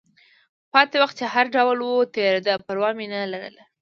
پاتې وخت چې هر ډول و، تېرېده، پروا مې نه لرله.